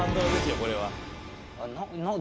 これは。